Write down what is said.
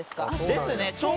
ですね。